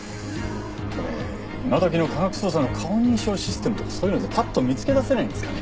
これ今どきの科学捜査の顔認証システムとかそういうのでパッと見つけ出せないんですかね？